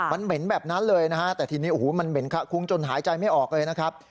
มันเหม็นแบบนั้นเลยนะฮะแต่ทีนี้โอ้โหมันเหม็นคะคุ้งจนหายใจไม่ออกเลยนะครับ